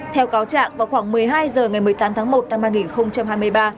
theo cáo trạng vào khoảng một mươi hai h ngày một mươi tám tháng một năm hai nghìn hai mươi ba